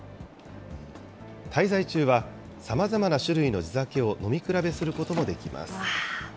滞在中は、さまざまな種類の地酒を飲み比べすることもできます。